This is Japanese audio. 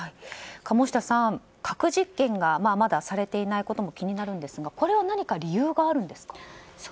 鴨下さん、核実験がまだされていないことも気になるんですがこれは何か理由があるんですか。